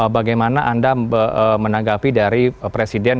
bagaimana anda menanggapi dari presiden